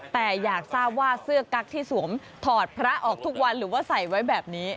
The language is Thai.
แต่อยากทราบว่าเสื้อกั๊กที่สวมถอดพระออกทุกวันหรือว่าใส่ไว้แบบนี้